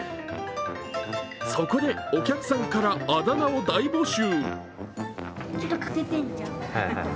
そこでお客さんからあだ名を大募集。